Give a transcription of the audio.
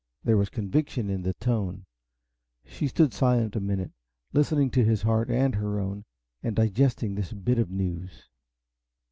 There was conviction in the tone. She stood silent a minute, listening to his heart and her own, and digesting this bit of news.